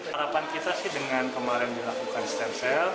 harapan kita sih dengan kemarin dilakukan stem cell